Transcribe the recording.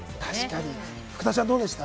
福田ちゃん、どうでした？